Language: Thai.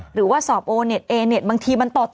หรือว่าสอบโอนิต